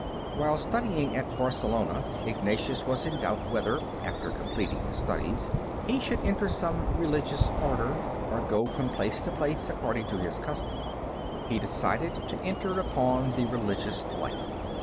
While studying at Barcelona, Ignatius was in doubt whether, after completing his studies, he should enter some Religious Order, or go from place to place, according to his custom. He decided to enter upon the religious life.